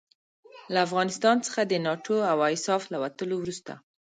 له افغانستان څخه د ناټو او ایساف له وتلو وروسته.